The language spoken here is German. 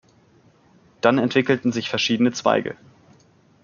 Dann entwickelten sich verschiedene Zweige.